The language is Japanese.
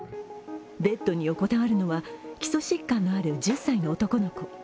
ベッドに横たわるのは基礎疾患のある１０歳の男の子。